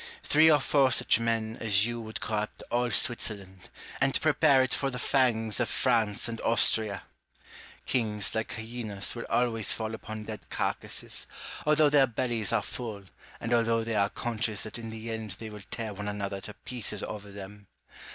Three or four such men as you would corrupt all Switzerland, and prepare it for the fangs of France and Austria. Kings, like hyenas, will always fall upon dead carcasses, although their bellies are full, and although they are conscious that in the end they will tear one another to pieces over them.